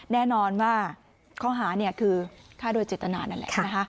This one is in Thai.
แน่นอนว่าข้อหาคือฆ่าโดยเจตนานั่นแหละนะคะ